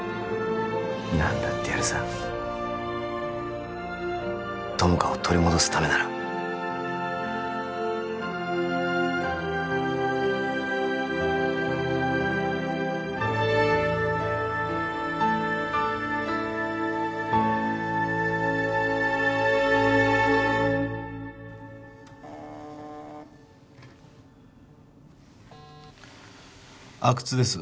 何だってやるさ友果を取り戻すためなら阿久津です